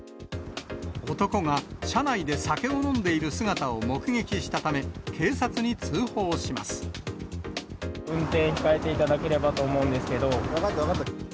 男が車内で酒を飲んでいる姿を目撃したため、運転控えていただければと思分かった、分かった。